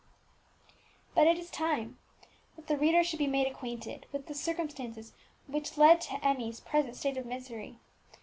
But it is time that the reader should be made acquainted with the circumstances which led to Emmie's present state of misery.